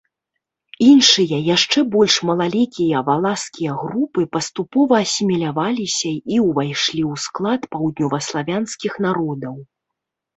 Іншыя, яшчэ больш малалікія валашскія групы паступова асіміляваліся і ўвайшлі ў склад паўднёваславянскіх народаў.